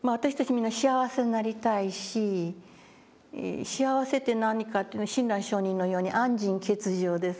みんな幸せになりたいし幸せって何かっていうの親鸞聖人のように「安心決定」ですよね。